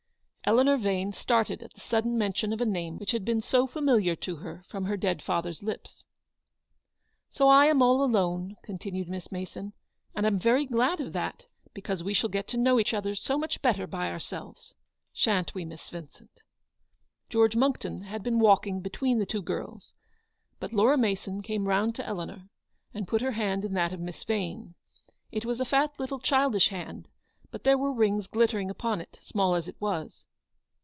Eleanor Vane started at the sudden mention of a name which had been so familiar to her from her dead father's lips. " So I am all alone," continued Miss Mason, " and I'm very glad of that ; because we shall get HAZLEW00D. 2 53 to know each other so much better by ourselves ; shan't we, Miss Vincent ? n George Monckton had been walking between the two girls, but Laura Mason came round to Eleanor, and put her hand in that of Miss Vane. It was a fat little childish hand, but there were rings glittering upon it, small as it was.